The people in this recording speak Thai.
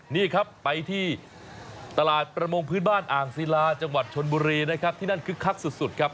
นี่ครับไปที่ตลาดประมงพื้นบ้านอ่างศิลาจังหวัดชนบุรีนะครับที่นั่นคึกคักสุดครับ